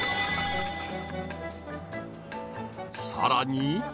［さらに］